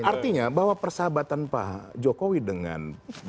artinya bahwa persahabatan pak jokowi dengan